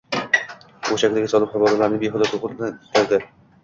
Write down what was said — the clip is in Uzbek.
U shaklga solib, havolarni behuda to’lqinlantirdimi